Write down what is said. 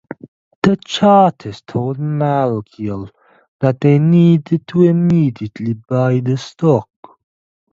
The chartist told Malkiel that they needed to immediately buy the stock.